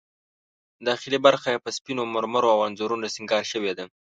داخلي برخه یې په سپینو مرمرو او انځورونو سینګار شوې ده.